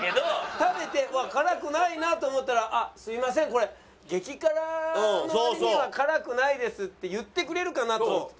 食べて「わあ辛くないな」と思ったら「すいませんこれ激辛の割には辛くないです」って言ってくれるかなと思ってた。